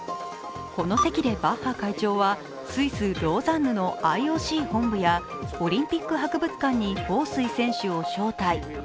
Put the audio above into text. この席でバッハ会長はスイス・ローザンヌのＩＯＣ本部やオリンピック博物館に彭帥選手を招待。